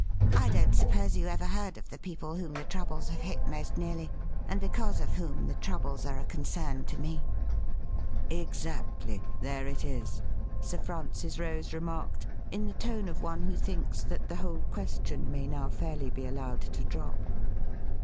I don't suppose you ever heard of the people whom the troubles have hit most nearly, and because of whom the troubles are a concern to me.' ' Exactly — there it is,' Sir Francis Rose remarked in the tone of one who thinks that the whole question may now fairly be allowed to drop.